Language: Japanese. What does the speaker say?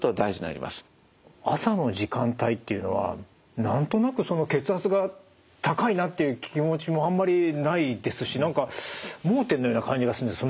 朝の時間帯っていうのは何となくその血圧が高いなっていう気持ちもあんまりないですし何か盲点のような感じがするんですがその辺いかがですか。